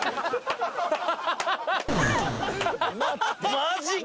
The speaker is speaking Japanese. マジか。